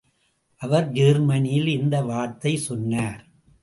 அவர் ஜெர்மனியில் இந்த வார்த்தை சொன்னார்.